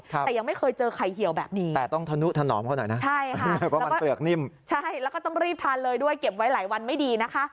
แต่ยังไม่เคยเจอไข่เหี่ยวแบบนี้